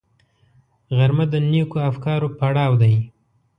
غرمه د نېکو افکارو پړاو دی